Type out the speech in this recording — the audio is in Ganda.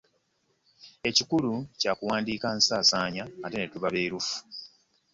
Ekikulu kya kuwandiika nsaasaanya ate ne tuba beerufu.